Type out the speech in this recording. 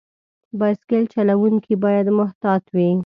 بایسکل چلونکي باید محتاط وي.